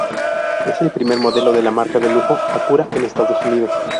Es el primer modelo de la marca de lujo Acura en Estados Unidos.